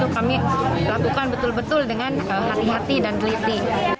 kami lakukan betul betul dengan hati hati dan teliti